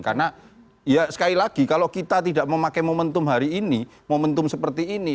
karena ya sekali lagi kalau kita tidak memakai momentum hari ini momentum seperti ini